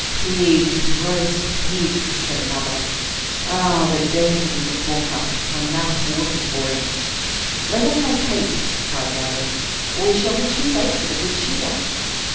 "Pig, roast pig!" said another. "Ah, the dainty little porker. My mouth waters for him." "Let us make haste," cried the others, "or we shall be too late for the good cheer!"